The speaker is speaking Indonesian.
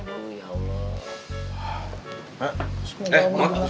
aduh ya allah